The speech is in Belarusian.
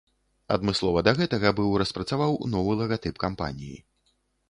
Адмыслова да гэтага быў распрацаваў новы лагатып кампаніі.